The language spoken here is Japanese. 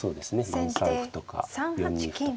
４三歩とか４二歩とか。